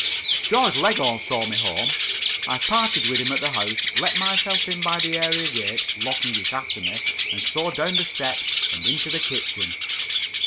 Georgie Leghorn saw me home. I parted with him at the house, let myself in by the area gate, locking it after me, and so down the steps and into the kitchen.